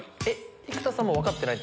生田さんも分かってない？